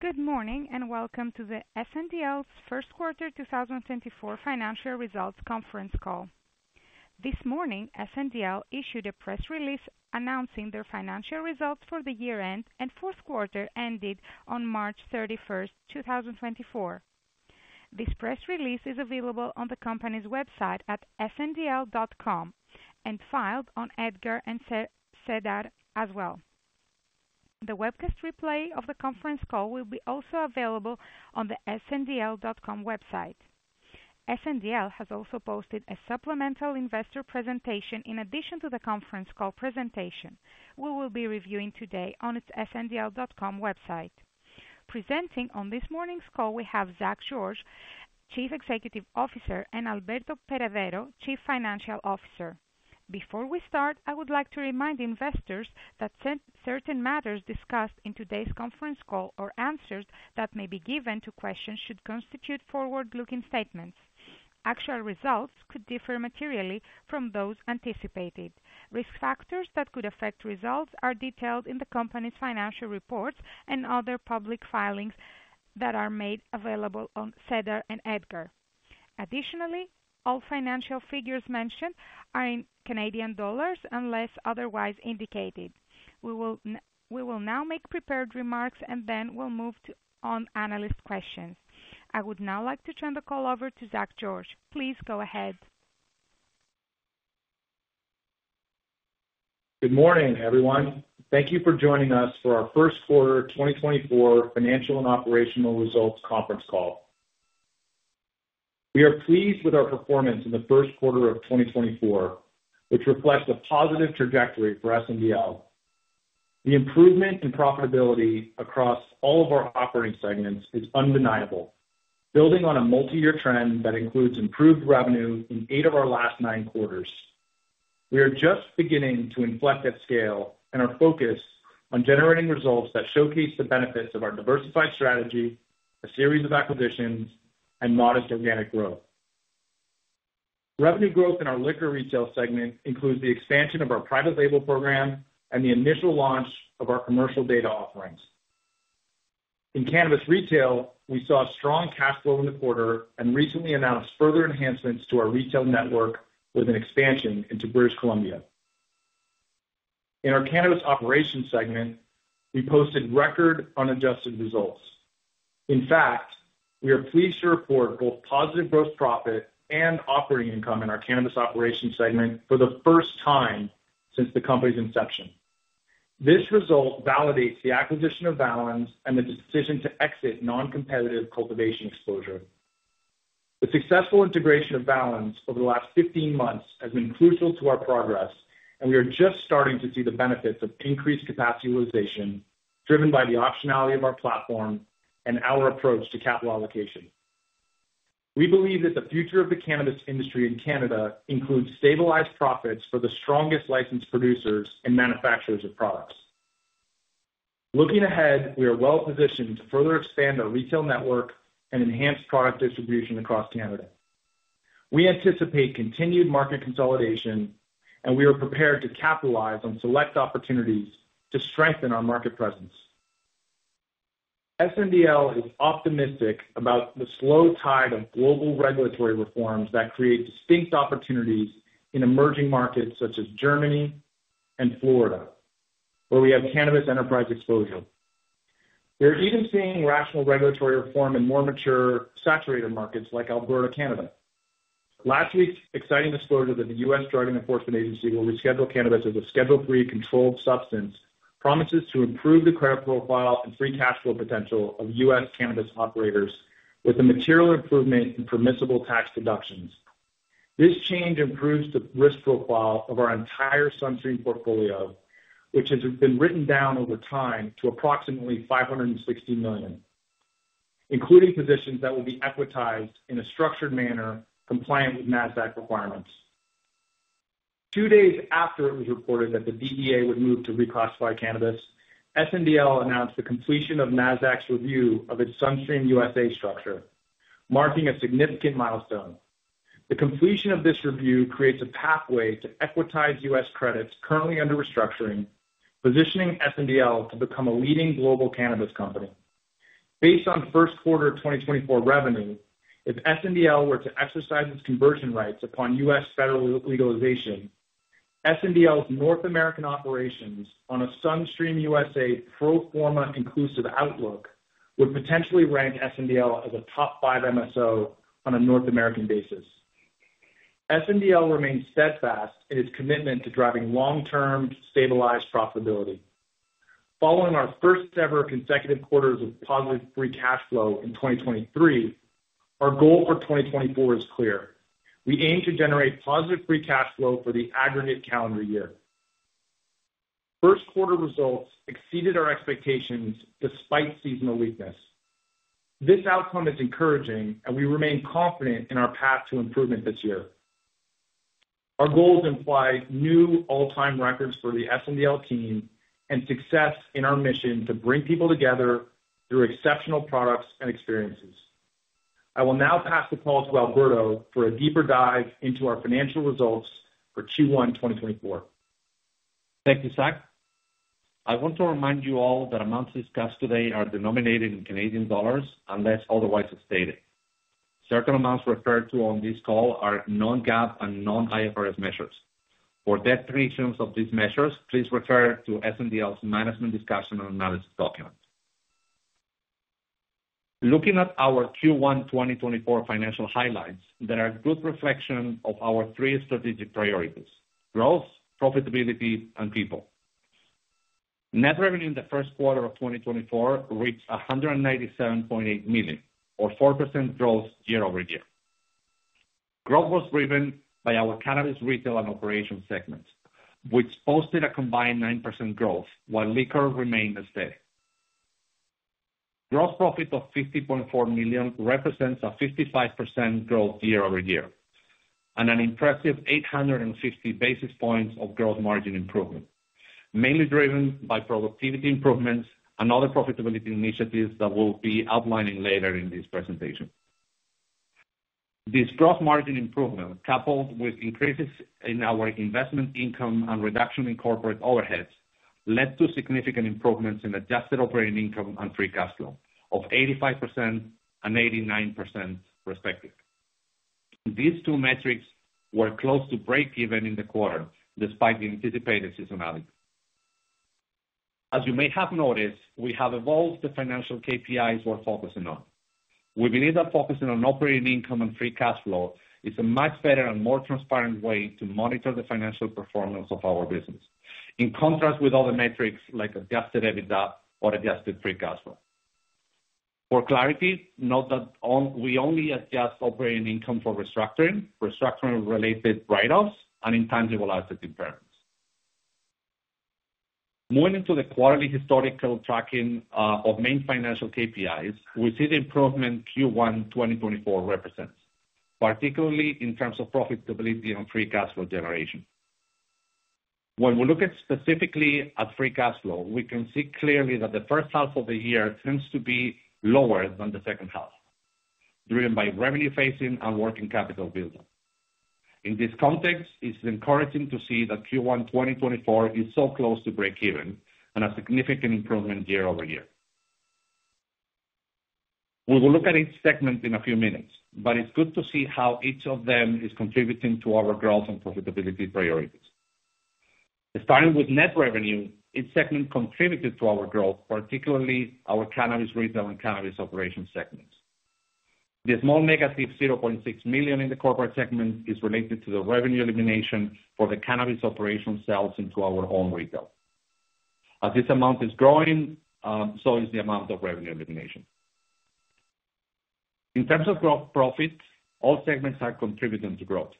Good morning and welcome to the SNDL's First Quarter 2024 Financial Results Conference Call. This morning, SNDL issued a press release announcing their financial results for the year-end, and fourth quarter ended on March 31st, 2024. This press release is available on the company's website at sndl.com and filed on EDGAR and SEDAR as well. The webcast replay of the conference call will be also available on the sndl.com website. SNDL has also posted a supplemental investor presentation in addition to the conference call presentation, which we will be reviewing today on its sndl.com website. Presenting on this morning's call we have Zach George, Chief Executive Officer, and Alberto Paredero, Chief Financial Officer. Before we start, I would like to remind investors that certain matters discussed in today's conference call, or answers that may be given to questions, should constitute forward-looking statements. Actual results could differ materially from those anticipated. Risk factors that could affect results are detailed in the company's financial reports and other public filings that are made available on SEDAR and EDGAR. Additionally, all financial figures mentioned are in Canadian dollars unless otherwise indicated. We will now make prepared remarks, and then we'll move on to analyst questions. I would now like to turn the call over to Zach George. Please go ahead. Good morning, everyone. Thank you for joining us for our First Quarter 2024 Financial and Operational Results Conference Call. We are pleased with our performance in the first quarter of 2024, which reflects a positive trajectory for SNDL. The improvement in profitability across all of our operating segments is undeniable, building on a multi-year trend that includes improved revenue in eight of our last nine quarters. We are just beginning to inflect at scale and are focused on generating results that showcase the benefits of our diversified strategy, a series of acquisitions, and modest organic growth. Revenue growth in our liquor retail segment includes the expansion of our private label program and the initial launch of our commercial data offerings. In cannabis retail, we saw a strong cash flow in the quarter and recently announced further enhancements to our retail network with an expansion into British Columbia. In our cannabis operations segment, we posted record unadjusted results. In fact, we are pleased to report both positive gross profit and operating income in our cannabis operations segment for the first time since the company's inception. This result validates the acquisition of Valens and the decision to exit non-competitive cultivation exposure. The successful integration of Valens over the last 15 months has been crucial to our progress, and we are just starting to see the benefits of increased capitalization driven by the optionality of our platform and our approach to capital allocation. We believe that the future of the cannabis industry in Canada includes stabilized profits for the strongest licensed producers and manufacturers of products. Looking ahead, we are well positioned to further expand our retail network and enhance product distribution across Canada. We anticipate continued market consolidation, and we are prepared to capitalize on select opportunities to strengthen our market presence. SNDL is optimistic about the slow tide of global regulatory reforms that create distinct opportunities in emerging markets such as Germany and Florida, where we have cannabis enterprise exposure. We are even seeing rational regulatory reform in more mature, saturated markets like Alberta, Canada. Last week's exciting disclosure that the U.S. Drug Enforcement Administration will reschedule cannabis as a Schedule III controlled substance promises to improve the credit profile and free cash flow potential of U.S. cannabis operators with a material improvement in permissible tax deductions. This change improves the risk profile of our entire cannabis portfolio, which has been written down over time to approximately 560 million, including positions that will be equitized in a structured manner compliant with NASDAQ requirements. Two days after it was reported that the DEA would move to reclassify cannabis, SNDL announced the completion of NASDAQ's review of its SunStream USA structure, marking a significant milestone. The completion of this review creates a pathway to equitize U.S. credits currently under restructuring, positioning SNDL to become a leading global cannabis company. Based on first quarter 2024 revenue, if SNDL were to exercise its conversion rights upon U.S. federal legalization, SNDL's North American operations on a SunStream USA pro forma inclusive outlook would potentially rank SNDL as a top five MSO on a North American basis. SNDL remains steadfast in its commitment to driving long-term stabilized profitability. Following our first-ever consecutive quarters of positive free cash flow in 2023, our goal for 2024 is clear. We aim to generate positive free cash flow for the aggregate calendar year. First quarter results exceeded our expectations despite seasonal weakness. This outcome is encouraging, and we remain confident in our path to improvement this year. Our goals imply new all-time records for the SNDL team and success in our mission to bring people together through exceptional products and experiences. I will now pass the call to Alberto for a deeper dive into our financial results for Q1 2024. Thank you, Zach. I want to remind you all that amounts discussed today are denominated in Canadian dollars unless otherwise stated. Certain amounts referred to on this call are non-GAAP and non-IFRS measures. For detailed reasons of these measures, please refer to SNDL's management discussion and analysis document. Looking at our Q1 2024 financial highlights, they are a good reflection of our three strategic priorities: growth, profitability, and people. Net revenue in the first quarter of 2024 reached 197.8 million, or 4% growth year-over-year. Growth was driven by our cannabis retail and operations segments, which posted a combined 9% growth while liquor remained unsteady. Gross profit of 50.4 million represents a 55% growth year-over-year, and an impressive 850 basis points of gross margin improvement, mainly driven by productivity improvements and other profitability initiatives that we'll be outlining later in this presentation. This gross margin improvement, coupled with increases in our investment income and reduction in corporate overheads, led to significant improvements in adjusted operating income and free cash flow of 85% and 89%, respectively. These two metrics were close to break-even in the quarter despite the anticipated seasonality. As you may have noticed, we have evolved the financial KPIs we're focusing on. We believe that focusing on operating income and free cash flow is a much better and more transparent way to monitor the financial performance of our business, in contrast with other metrics like adjusted EBITDA or adjusted free cash flow. For clarity, note that we only adjust operating income for restructuring, restructuring-related write-offs, and intangible asset impairments. Moving into the quarterly historical tracking of main financial KPIs, we see the improvement Q1 2024 represents, particularly in terms of profitability and free cash flow generation. When we look specifically at free cash flow, we can see clearly that the first half of the year tends to be lower than the second half, driven by revenue facing and working capital buildup. In this context, it's encouraging to see that Q1 2024 is so close to break-even and a significant improvement year-over-year. We will look at each segment in a few minutes, but it's good to see how each of them is contributing to our growth and profitability priorities. Starting with net revenue, each segment contributed to our growth, particularly our cannabis retail and cannabis operations segments. The small -$0.6 million in the corporate segment is related to the revenue elimination for the cannabis operations sales into our own retail. As this amount is growing, so is the amount of revenue elimination. In terms of gross profit, all segments are contributing to growth.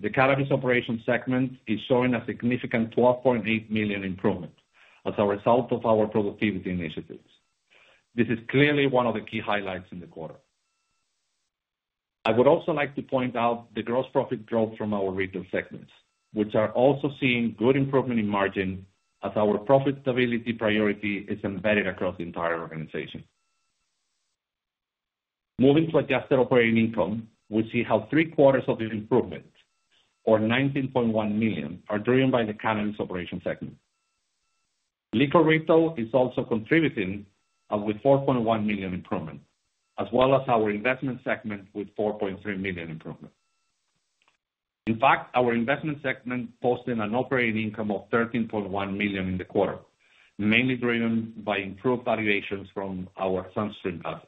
The cannabis operations segment is showing a significant 12.8 million improvement as a result of our productivity initiatives. This is clearly one of the key highlights in the quarter. I would also like to point out the gross profit growth from our retail segments, which are also seeing good improvement in margin as our profitability priority is embedded across the entire organization. Moving to adjusted operating income, we see how three quarters of the improvement, or 19.1 million, are driven by the cannabis operations segment. Liquor retail is also contributing with 4.1 million improvement, as well as our investment segment with 4.3 million improvement. In fact, our investment segment posted an operating income of 13.1 million in the quarter, mainly driven by improved valuations from our sunscreen assets.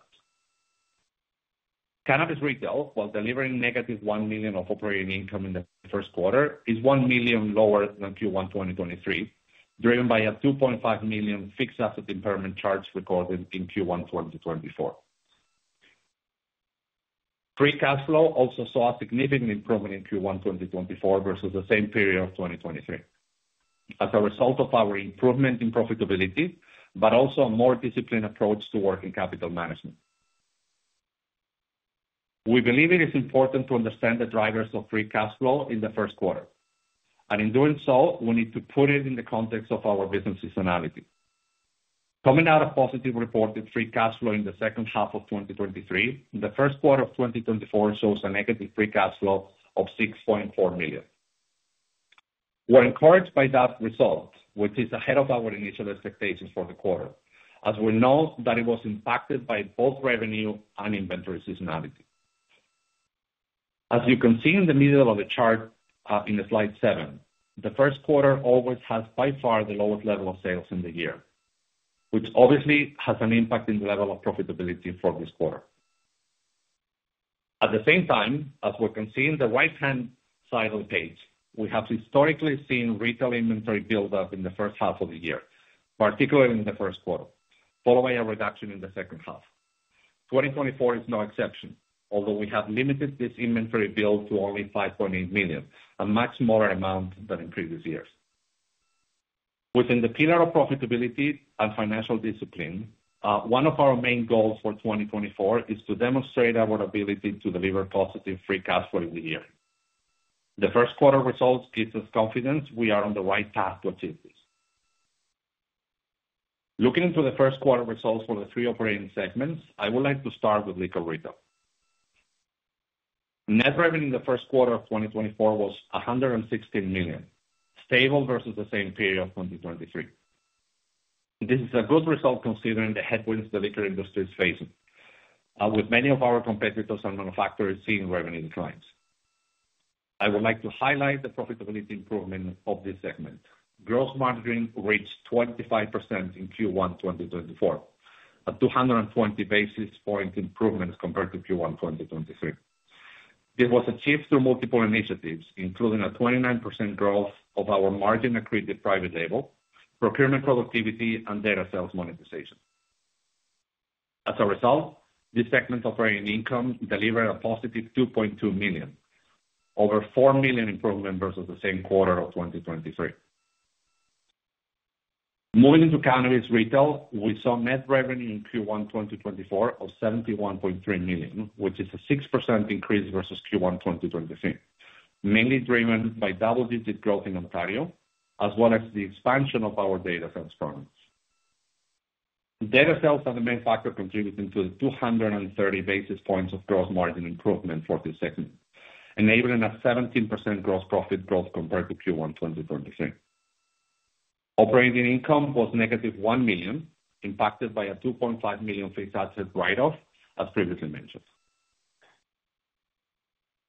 Cannabis retail, while delivering negative $1 million of operating income in the first quarter, is $1 million lower than Q1 2023, driven by a $2.5 million fixed asset impairment charge recorded in Q1 2024. Free cash flow also saw a significant improvement in Q1 2024 versus the same period of 2023, as a result of our improvement in profitability but also a more disciplined approach to working capital management. We believe it is important to understand the drivers of free cash flow in the first quarter, and in doing so, we need to put it in the context of our business seasonality. Coming out of positive reported free cash flow in the second half of 2023, the first quarter of 2024 shows a negative free cash flow of $6.4 million. We're encouraged by that result, which is ahead of our initial expectations for the quarter, as we know that it was impacted by both revenue and inventory seasonality. As you can see in the middle of the chart in slide 7, the first quarter always has by far the lowest level of sales in the year, which obviously has an impact in the level of profitability for this quarter. At the same time, as we can see in the right-hand side of the page, we have historically seen retail inventory buildup in the first half of the year, particularly in the first quarter, followed by a reduction in the second half. 2024 is no exception, although we have limited this inventory build to only $5.8 million, a much smaller amount than in previous years. Within the pillar of profitability and financial discipline, one of our main goals for 2024 is to demonstrate our ability to deliver positive free cash flow in the year. The first quarter results give us confidence we are on the right path to achieve this. Looking into the first quarter results for the three operating segments, I would like to start with liquor retail. Net revenue in the first quarter of 2024 was 116 million, stable versus the same period of 2023. This is a good result considering the headwinds the liquor industry is facing, with many of our competitors and manufacturers seeing revenue declines. I would like to highlight the profitability improvement of this segment. Gross margin reached 25% in Q1 2024, a 220 basis point improvement compared to Q1 2023. This was achieved through multiple initiatives, including a 29% growth of our margin accretive private label, procurement productivity, and data sales monetization. As a result, this segment of revenue income delivered a positive 2.2 million, over 4 million improvement versus the same quarter of 2023. Moving into cannabis retail, we saw net revenue in Q1 2024 of 71.3 million, which is a 6% increase versus Q1 2023, mainly driven by double-digit growth in Ontario as well as the expansion of our data sales products. Data sales are the main factor contributing to the 230 basis points of gross margin improvement for this segment, enabling a 17% gross profit growth compared to Q1 2023. Operating income was negative 1 million, impacted by a 2.5 million fixed asset write-off, as previously mentioned.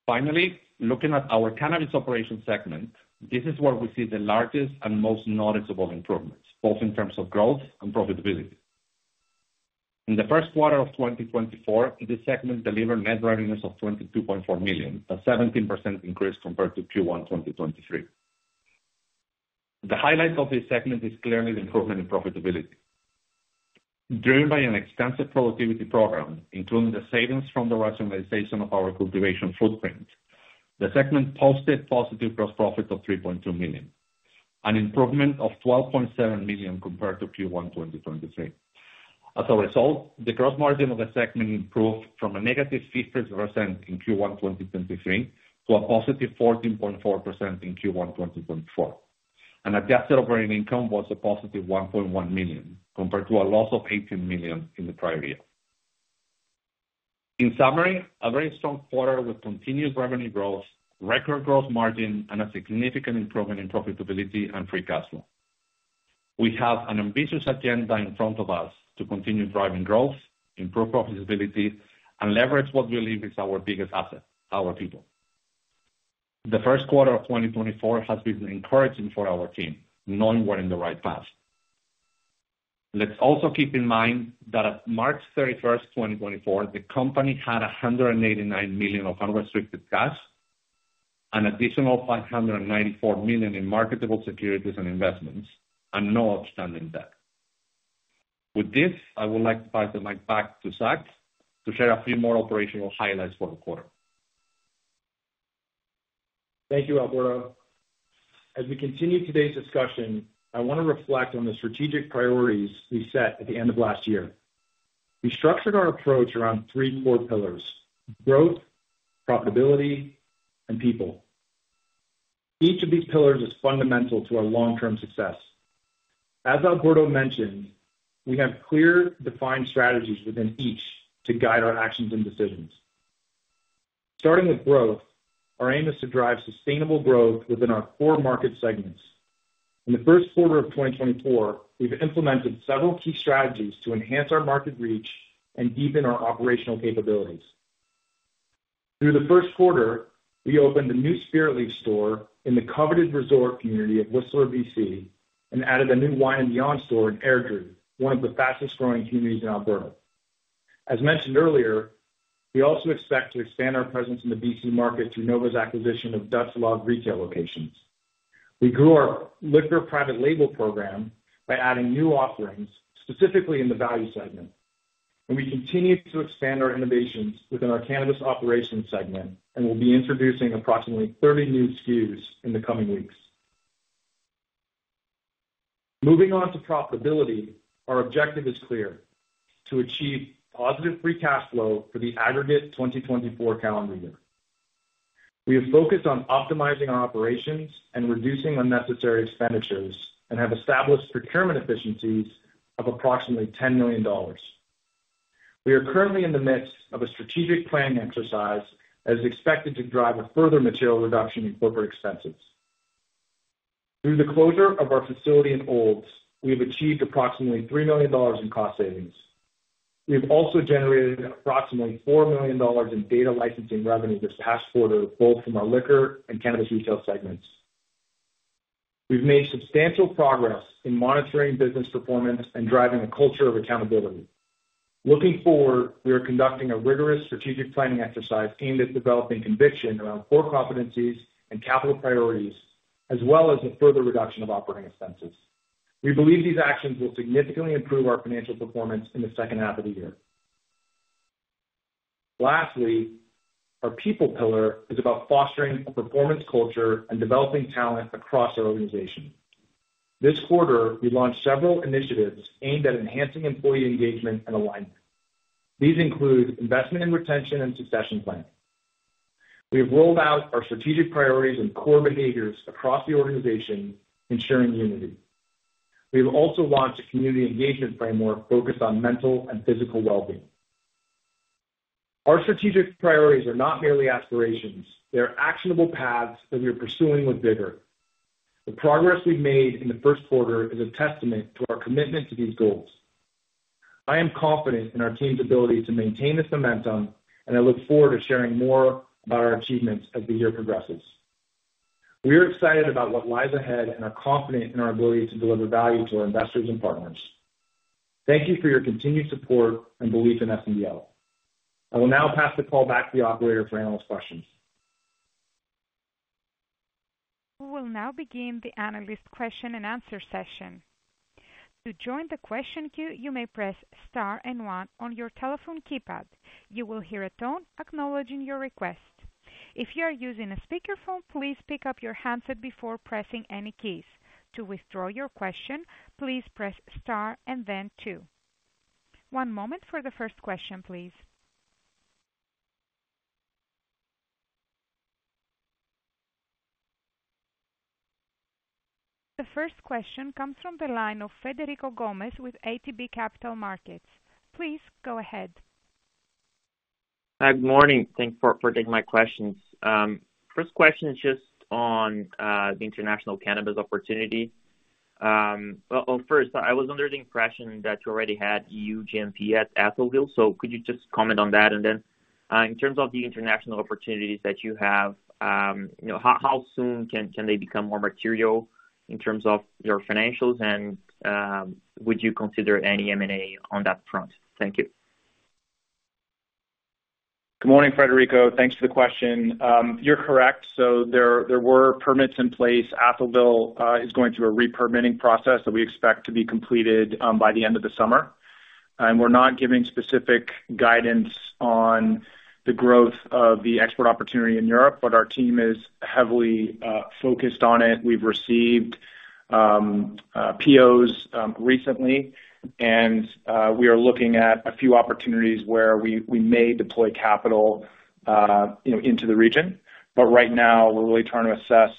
Finally, looking at our cannabis operations segment, this is where we see the largest and most noticeable improvements, both in terms of growth and profitability. In the first quarter of 2024, this segment delivered net revenues of 22.4 million, a 17% increase compared to Q1 2023. The highlight of this segment is clearly the improvement in profitability. Driven by an extensive productivity program, including the savings from the rationalization of our cultivation footprint, the segment posted positive gross profit of 3.2 million, an improvement of 12.7 million compared to Q1 2023. As a result, the gross margin of the segment improved from a -50% in Q1 2023 to a +14.4% in Q1 2024, and adjusted operating income was a positive 1.1 million compared to a loss of 18 million in the prior year. In summary, a very strong quarter with continued revenue growth, record gross margin, and a significant improvement in profitability and free cash flow. We have an ambitious agenda in front of us to continue driving growth, improve profitability, and leverage what we believe is our biggest asset, our people. The first quarter of 2024 has been encouraging for our team, knowing we're in the right path. Let's also keep in mind that on March 31st, 2024, the company had 189 million of unrestricted cash, an additional 594 million in marketable securities and investments, and no outstanding debt. With this, I would like to pass the mic back to Zach to share a few more operational highlights for the quarter. Thank you, Alberto. As we continue today's discussion, I want to reflect on the strategic priorities we set at the end of last year. We structured our approach around three core pillars: growth, profitability, and people. Each of these pillars is fundamental to our long-term success. As Alberto mentioned, we have clear, defined strategies within each to guide our actions and decisions. Starting with growth, our aim is to drive sustainable growth within our core market segments. In the first quarter of 2024, we've implemented several key strategies to enhance our market reach and deepen our operational capabilities. Through the first quarter, we opened a new Spiritleaf store in the coveted resort community of Whistler, BC, and added a new Wine & Beyond store in Airdrie, one of the fastest-growing communities in Alberta. As mentioned earlier, we also expect to expand our presence in the BC market through Nova's acquisition of Dutch Love retail locations. We grew our liquor private label program by adding new offerings, specifically in the value segment, and we continue to expand our innovations within our cannabis operations segment and will be introducing approximately 30 new SKUs in the coming weeks. Moving on to profitability, our objective is clear: to achieve positive free cash flow for the aggregate 2024 calendar year. We have focused on optimizing our operations and reducing unnecessary expenditures and have established procurement efficiencies of approximately $10 million. We are currently in the midst of a strategic planning exercise as expected to drive a further material reduction in corporate expenses. Through the closure of our facility in Olds, we have achieved approximately $3 million in cost savings. We have also generated approximately $4 million in data licensing revenue this past quarter, both from our liquor and cannabis retail segments. We've made substantial progress in monitoring business performance and driving a culture of accountability. Looking forward, we are conducting a rigorous strategic planning exercise aimed at developing conviction around core competencies and capital priorities, as well as a further reduction of operating expenses. We believe these actions will significantly improve our financial performance in the second half of the year. Lastly, our people pillar is about fostering a performance culture and developing talent across our organization. This quarter, we launched several initiatives aimed at enhancing employee engagement and alignment. These include investment in retention and succession planning. We have rolled out our strategic priorities and core behaviors across the organization, ensuring unity. We have also launched a community engagement framework focused on mental and physical well-being. Our strategic priorities are not merely aspirations. They are actionable paths that we are pursuing with vigor. The progress we've made in the first quarter is a testament to our commitment to these goals. I am confident in our team's ability to maintain this momentum, and I look forward to sharing more about our achievements as the year progresses. We are excited about what lies ahead and are confident in our ability to deliver value to our investors and partners. Thank you for your continued support and belief in SNDL. I will now pass the call back to the operator for analyst questions. We will now begin the analyst question and answer session. To join the question queue, you may press star and one on your telephone keypad. You will hear a tone acknowledging your request. If you are using a speakerphone, please pick up your handset before pressing any keys. To withdraw your question, please press star and then two. One moment for the first question, please. The first question comes from the line of Federico Gomez with ATB Capital Markets. Please go ahead. Hi, good morning. Thanks for taking my questions. First question is just on the international cannabis opportunity. Well, first, I was under the impression that you already had EU GMP at Atholville, so could you just comment on that? And then, in terms of the international opportunities that you have, how soon can they become more material in terms of your financials, and would you consider any M&A on that front? Thank you. Good morning, Federico. Thanks for the question. You're correct. So there were permits in place. Atholville is going through a repermitting process that we expect to be completed by the end of the summer, and we're not giving specific guidance on the growth of the export opportunity in Europe, but our team is heavily focused on it. We've received POs recently, and we are looking at a few opportunities where we may deploy capital into the region. But right now, we're really trying to assess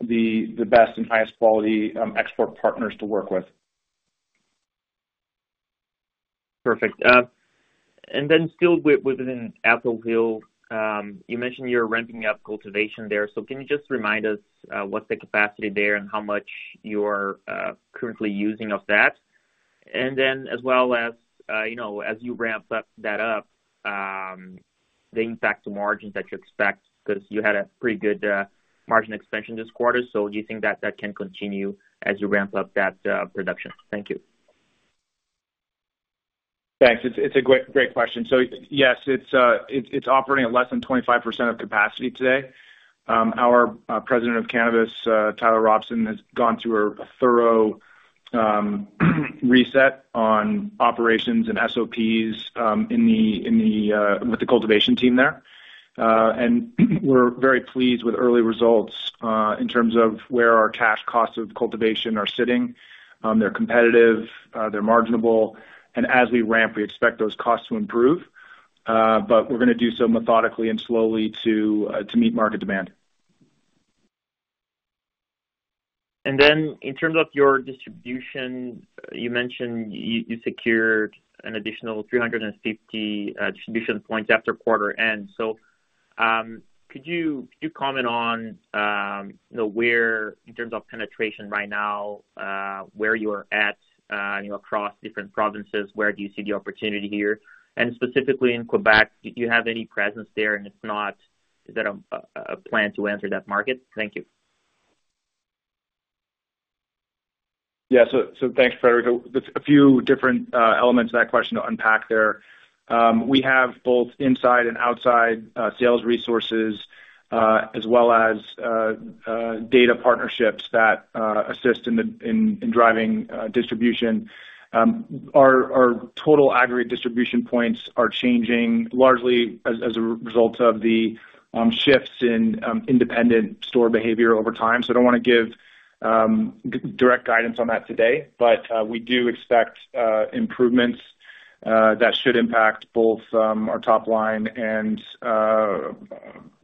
the best and highest-quality export partners to work with. Perfect. And then still within Atholville, you mentioned you're ramping up cultivation there. So can you just remind us what's the capacity there and how much you're currently using of that? And then, as well as you ramp that up, the impact to margins that you expect because you had a pretty good margin expansion this quarter. So do you think that can continue as you ramp up that production? Thank you. Thanks. It's a great question. So yes, it's operating at less than 25% of capacity today. Our President of cannabis, Tyler Robson, has gone through a thorough reset on operations and SOPs with the cultivation team there, and we're very pleased with early results in terms of where our cash costs of cultivation are sitting. They're competitive. They're marginable. And as we ramp, we expect those costs to improve, but we're going to do so methodically and slowly to meet market demand. Then in terms of your distribution, you mentioned you secured an additional 350 distribution points after quarter-end. Could you comment on where, in terms of penetration right now, where you are at across different provinces? Where do you see the opportunity here? And specifically in Quebec, do you have any presence there? And if not, is that a plan to enter that market? Thank you. Yeah. So thanks, Frederico. There's a few different elements to that question to unpack there. We have both inside and outside sales resources as well as data partnerships that assist in driving distribution. Our total aggregate distribution points are changing largely as a result of the shifts in independent store behavior over time. So I don't want to give direct guidance on that today, but we do expect improvements that should impact both our top line and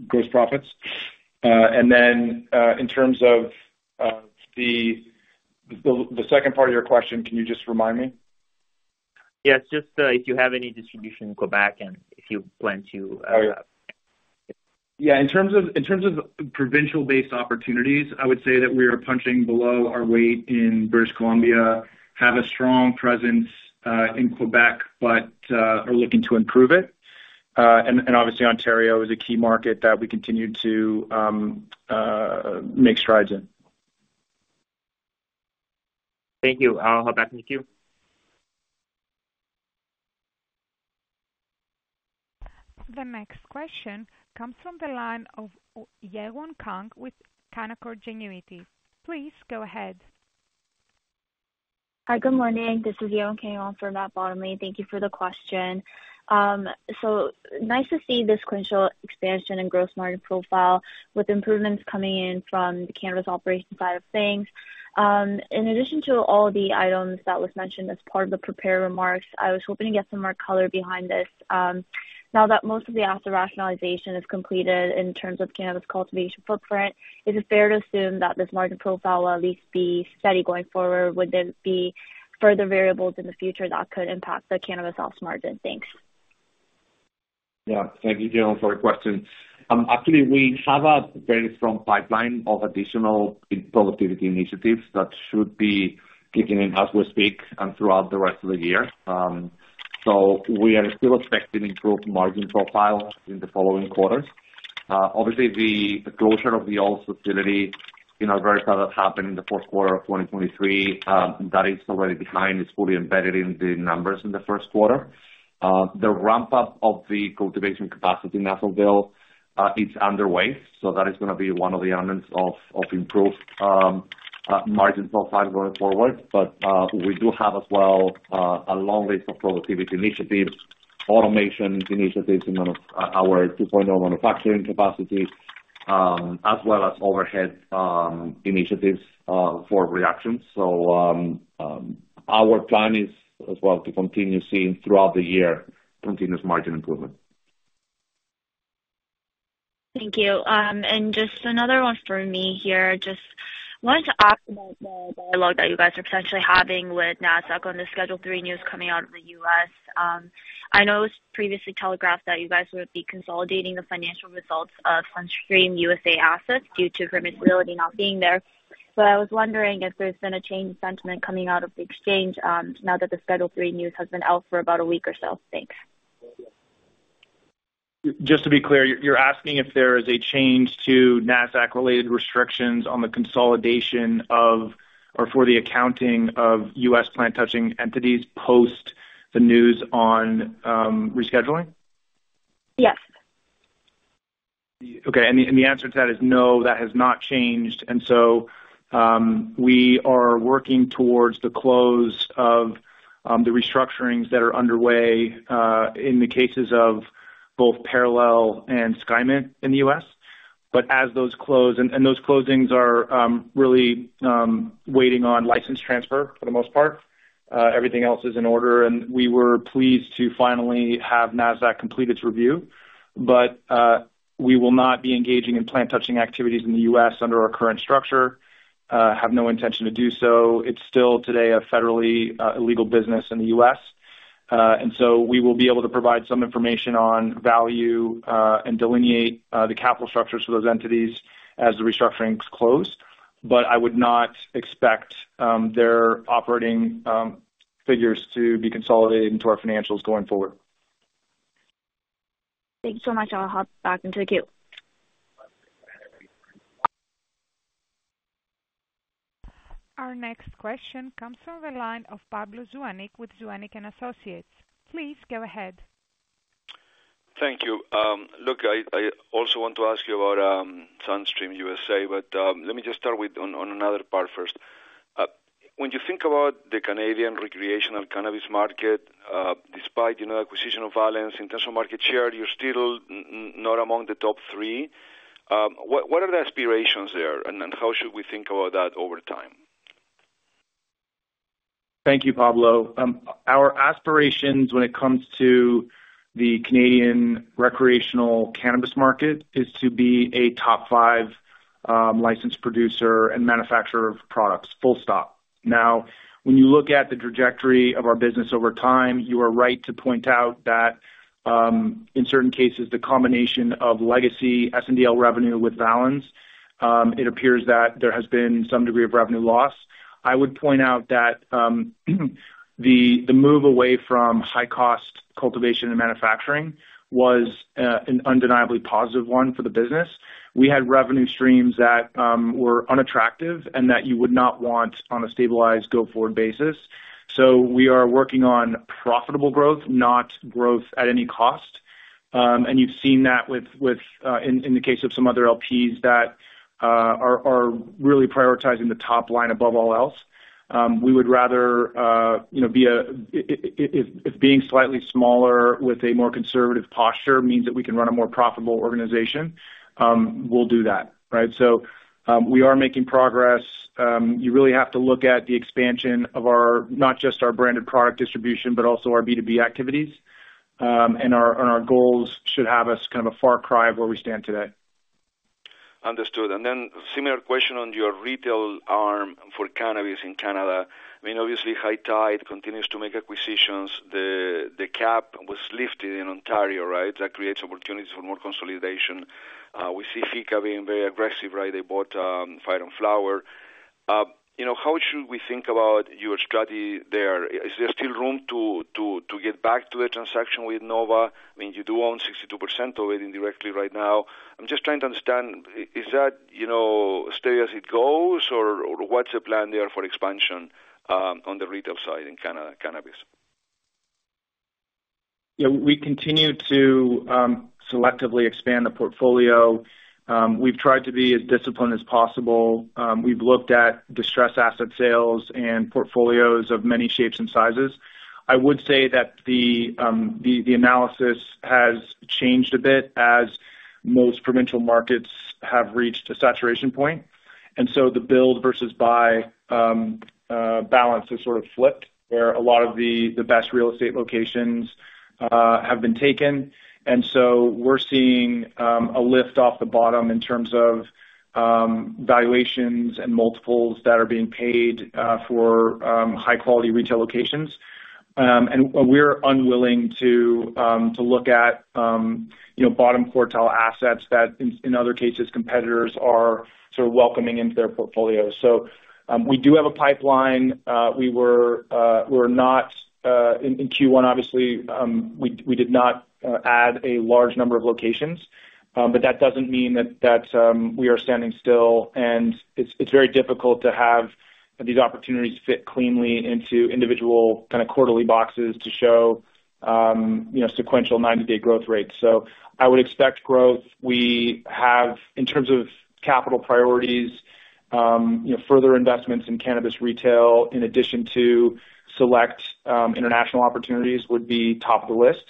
gross profits. And then in terms of the second part of your question, can you just remind me? Yeah. It's just if you have any distribution in Quebec and if you plan to. Yeah. In terms of provincial-based opportunities, I would say that we are punching below our weight in British Columbia, have a strong presence in Quebec, but are looking to improve it. And obviously, Ontario is a key market that we continue to make strides in. Thank you. I'll hop back into the queue. The next question comes from the line of Yewon Kang with Canaccord Genuity. Please go ahead. Hi, good morning. This is Yewon Kang from Matt Bottomley. Thank you for the question. So nice to see this quintuple expansion and gross margin profile with improvements coming in from the cannabis operations side of things. In addition to all the items that were mentioned as part of the prepared remarks, I was hoping to get some more color behind this. Now that most of the after-rationalization is completed in terms of cannabis cultivation footprint, is it fair to assume that this margin profile will at least be steady going forward? Would there be further variables in the future that could impact the cannabis loss margin? Thanks. Yeah. Thank you, Yewon, for the question. Actually, we have a very strong pipeline of additional productivity initiatives that should be kicking in as we speak and throughout the rest of the year. So we are still expecting improved margin profile in the following quarters. Obviously, the closure of the Olds facility in Alberta that happened in the fourth quarter of 2023, that is already behind. It's fully embedded in the numbers in the first quarter. The ramp-up of the cultivation capacity in Atholville is underway, so that is going to be one of the elements of improved margin profile going forward. But we do have as well a long list of productivity initiatives, automation initiatives in our 2.0 manufacturing capacity, as well as overhead initiatives for reductions. So our plan is as well to continue seeing throughout the year continuous margin improvement. Thank you. And just another one from me here. Just wanted to ask about the dialogue that you guys are potentially having with NASDAQ on the Schedule 3 news coming out of the U.S. I know it was previously telegraphed that you guys would be consolidating the financial results of Sunstream USA Assets due to permissibility not being there. But I was wondering if there's been a change in sentiment coming out of the exchange now that the Schedule 3 news has been out for about a week or so? Thanks. Just to be clear, you're asking if there is a change to NASDAQ-related restrictions on the consolidation or for the accounting of U.S. plant-touching entities post the news on rescheduling? Yes. Okay. The answer to that is no. That has not changed. So we are working towards the close of the restructurings that are underway in the cases of both Parallel and SkyMint in the U.S. But as those close, those closings are really waiting on license transfer for the most part. Everything else is in order, and we were pleased to finally have NASDAQ complete its review. But we will not be engaging in plant-touching activities in the U.S. under our current structure. We have no intention to do so. It's still today a federally illegal business in the U.S. So we will be able to provide some information on value and delineate the capital structures for those entities as the restructurings close. But I would not expect their operating figures to be consolidated into our financials going forward. Thanks so much. I'll hop back into the queue. Our next question comes from the line of Pablo Zuanic with Zuanic & Associates. Please go ahead. Thank you. Look, I also want to ask you about Sunstream USA, but let me just start on another part first. When you think about the Canadian recreational cannabis market, despite the acquisition of Indiva in terms of market share, you're still not among the top three. What are the aspirations there, and how should we think about that over time? Thank you, Pablo. Our aspirations when it comes to the Canadian recreational cannabis market is to be a top five licensed producer and manufacturer of products. Full stop. Now, when you look at the trajectory of our business over time, you are right to point out that in certain cases, the combination of legacy SNDL revenue with Valens, it appears that there has been some degree of revenue loss. I would point out that the move away from high-cost cultivation and manufacturing was an undeniably positive one for the business. We had revenue streams that were unattractive and that you would not want on a stabilized go-forward basis. So we are working on profitable growth, not growth at any cost. And you've seen that in the case of some other LPs that are really prioritizing the top line above all else. We would rather be a if being slightly smaller with a more conservative posture means that we can run a more profitable organization, we'll do that, right? So we are making progress. You really have to look at the expansion of not just our branded product distribution but also our B2B activities. And our goals should have us kind of a far cry of where we stand today. Understood. Then similar question on your retail arm for cannabis in Canada. I mean, obviously, High Tide continues to make acquisitions. The cap was lifted in Ontario, right? That creates opportunities for more consolidation. We see Fika being very aggressive, removed right? They bought Fire & Flower. How should we think about your strategy there? Is there still room to get back to the transaction with Nova? I mean, you do own 62% of it indirectly right now. I'm just trying to understand, is that stay as it goes, or what's the plan there for expansion on the retail side in Canada cannabis? Yeah. We continue to selectively expand the portfolio. We've tried to be as disciplined as possible. We've looked at distressed asset sales and portfolios of many shapes and sizes. I would say that the analysis has changed a bit as most provincial markets have reached a saturation point. So the build versus buy balance has sort of flipped where a lot of the best real estate locations have been taken. So we're seeing a lift off the bottom in terms of valuations and multiples that are being paid for high-quality retail locations. We're unwilling to look at bottom-quartile assets that, in other cases, competitors are sort of welcoming into their portfolios. So we do have a pipeline. We were not in Q1, obviously. We did not add a large number of locations. But that doesn't mean that we are standing still. It's very difficult to have these opportunities fit cleanly into individual kind of quarterly boxes to show sequential 90-day growth rates. I would expect growth. In terms of capital priorities, further investments in cannabis retail in addition to select international opportunities would be top of the list.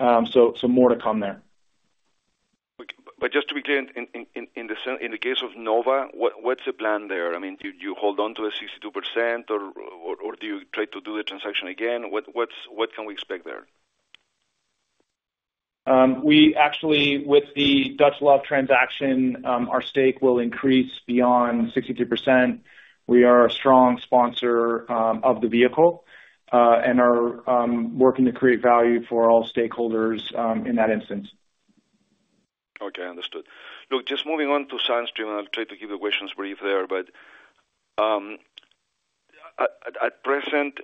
More to come there. Just to be clear, in the case of Nova, what's the plan there? I mean, do you hold on to the 62%, or do you try to do the transaction again? What can we expect there? Actually, with the Dutch Love transaction, our stake will increase beyond 62%. We are a strong sponsor of the vehicle and are working to create value for all stakeholders in that instance. Okay. Understood. Look, just moving on to Sunstream, and I'll try to keep the questions brief there. At present,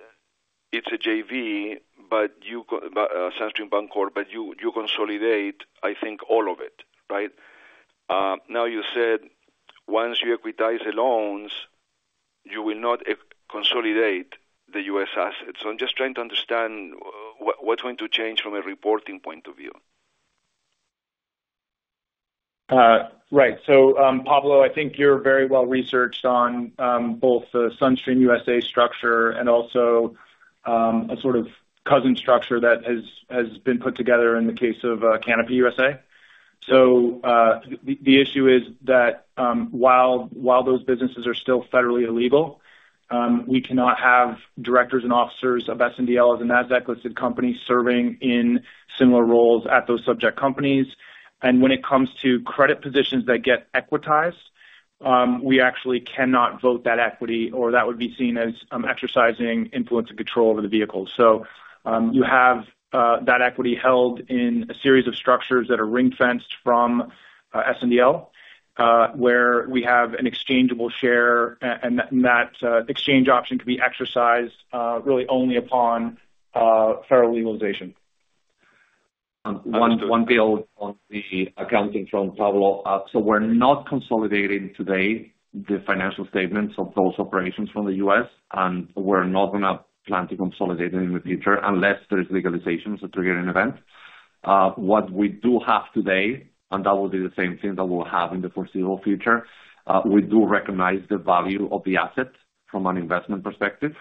it's a JV, Sunstream Bancorp, but you consolidate, I think, all of it, right? Now, you said once you equitize the loans, you will not consolidate the U.S. assets. I'm just trying to understand what's going to change from a reporting point of view. Right. So Pablo, I think you're very well-researched on both the Sunstream USA structure and also a sort of cousin structure that has been put together in the case of Canopy USA. So the issue is that while those businesses are still federally illegal, we cannot have directors and officers of SNDL as a NASDAQ-listed company serving in similar roles at those subject companies. And when it comes to credit positions that get equitized, we actually cannot vote that equity, or that would be seen as exercising influence and control over the vehicle. So you have that equity held in a series of structures that are ring-fenced from SNDL where we have an exchangeable share, and that exchange option can be exercised really only upon federal legalization. I'll build on the accounting from Pablo. So we're not consolidating today the financial statements of those operations from the U.S., and we're not going to plan to consolidate them in the future unless there is legalization or triggering event. What we do have today, and that will be the same thing that we'll have in the foreseeable future, we do recognize the value of the asset from an investment perspective,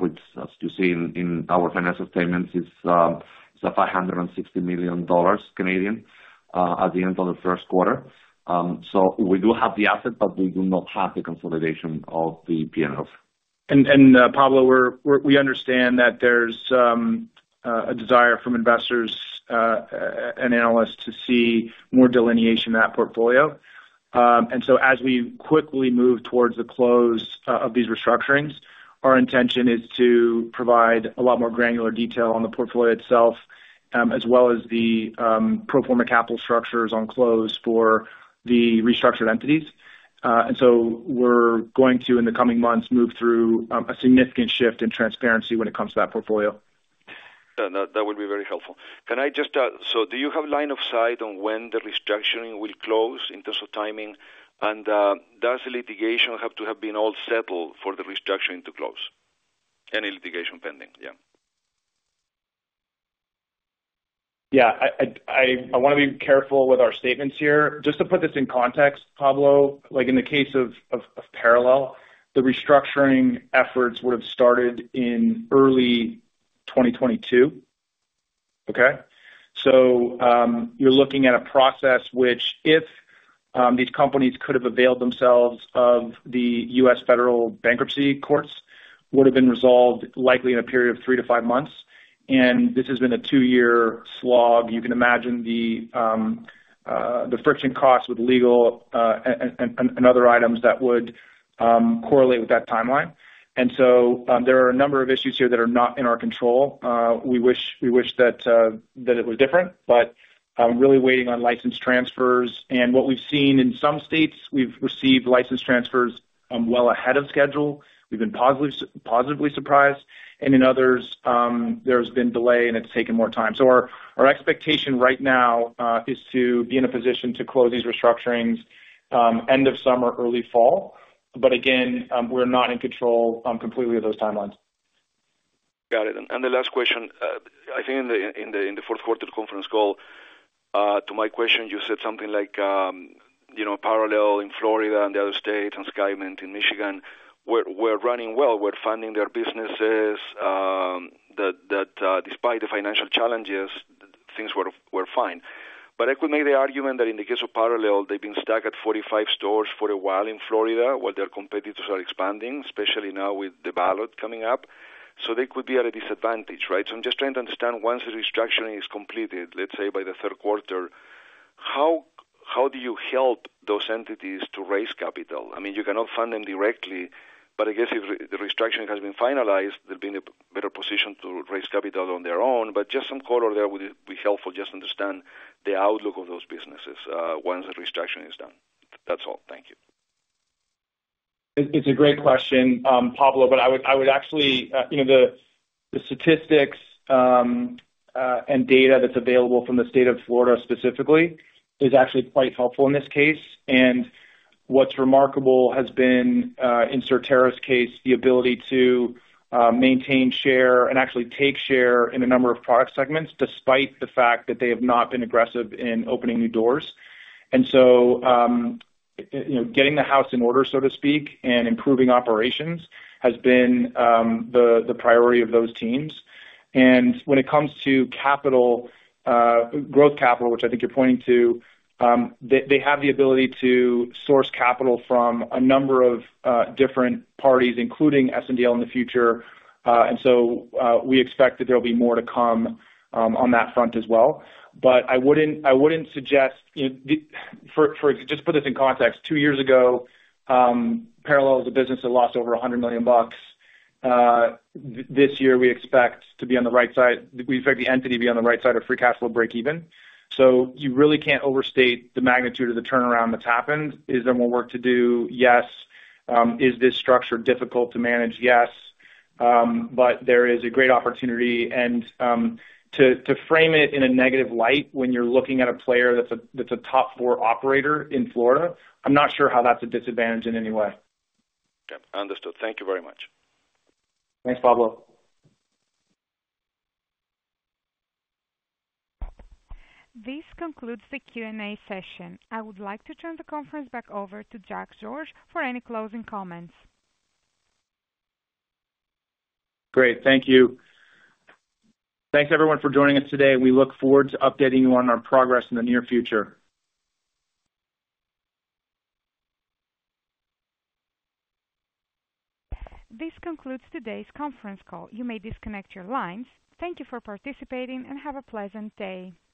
which, as you see in our financial statements, is 560 million Canadian dollars at the end of the first quarter. So we do have the asset, but we do not have the consolidation of the P&L. Pablo, we understand that there's a desire from investors and analysts to see more delineation in that portfolio. So as we quickly move towards the close of these restructurings, our intention is to provide a lot more granular detail on the portfolio itself as well as the pro forma capital structures on close for the restructured entities. So we're going to, in the coming months, move through a significant shift in transparency when it comes to that portfolio. That would be very helpful. Can I just so do you have line of sight on when the restructuring will close in terms of timing? And does the litigation have to have been all settled for the restructuring to close? Any litigation pending? Yeah. Yeah. I want to be careful with our statements here. Just to put this in context, Pablo, in the case of Parallel, the restructuring efforts would have started in early 2022, okay? So you're looking at a process which, if these companies could have availed themselves of the U.S. federal bankruptcy courts, would have been resolved likely in a period of 3-5 months. And this has been a 2-year slog. You can imagine the friction costs with legal and other items that would correlate with that timeline. And so there are a number of issues here that are not in our control. We wish that it was different, but I'm really waiting on license transfers. And what we've seen in some states, we've received license transfers well ahead of schedule. We've been positively surprised. And in others, there's been delay, and it's taken more time. Our expectation right now is to be in a position to close these restructurings end of summer, early fall. Again, we're not in control completely of those timelines. Got it. And the last question. I think in the fourth-quarter conference call, to my question, you said something like Parallel in Florida and the other states and SkyMint in Michigan, "We're running well. We're funding their businesses." Despite the financial challenges, things were fine. But I could make the argument that in the case of Parallel, they've been stuck at 45 stores for a while in Florida while their competitors are expanding, especially now with the ballot coming up. So they could be at a disadvantage, right? So I'm just trying to understand once the restructuring is completed, let's say by the third quarter, how do you help those entities to raise capital? I mean, you cannot fund them directly, but I guess if the restructuring has been finalized, they'll be in a better position to raise capital on their own. But just some color there would be helpful just to understand the outlook of those businesses once the restructuring is done. That's all. Thank you. It's a great question, Pablo, but the statistics and data that's available from the state of Florida specifically is actually quite helpful in this case. What's remarkable has been, in Surterra's case, the ability to maintain share and actually take share in a number of product segments despite the fact that they have not been aggressive in opening new doors. So getting the house in order, so to speak, and improving operations has been the priority of those teams. When it comes to growth capital, which I think you're pointing to, they have the ability to source capital from a number of different parties, including SNDL in the future. So we expect that there'll be more to come on that front as well. But I wouldn't suggest just to put this in context. Two years ago, Parallel is a business that lost over $100 million. This year, we expect the entity to be on the right side of free cash flow break-even. So you really can't overstate the magnitude of the turnaround that's happened. Is there more work to do? Yes. Is this structure difficult to manage? Yes. But there is a great opportunity. And to frame it in a negative light, when you're looking at a player that's a top-four operator in Florida, I'm not sure how that's a disadvantage in any way. Okay. Understood. Thank you very much. Thanks, Pablo. This concludes the Q&A session. I would like to turn the conference back over to Zach George for any closing comments. Great. Thank you. Thanks, everyone, for joining us today. We look forward to updating you on our progress in the near future. This concludes today's conference call. You may disconnect your lines. Thank you for participating, and have a pleasant day.